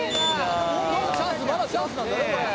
「まだチャンスまだチャンスなんだよねこれ」